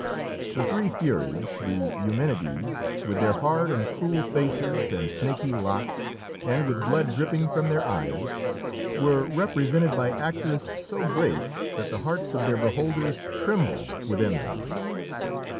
The three Furies the Eumenides with their hard and cruel faces and snaky locks, and with blood dripping from their eyes, were represented by actors so great that the hearts of their beholders trembled within them.